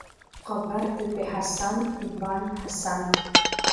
Ҟабардатәи Ҳасан, Ҟәбан Ҳасан…